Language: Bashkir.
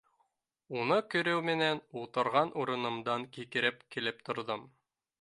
Уны күреү менән, ултырған урынымдан һикереп килеп торҙом.